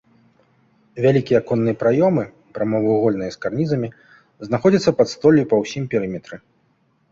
Вялікія аконныя праёмы прамавугольныя з карнізамі, знаходзяцца пад столлю па ўсім перыметры.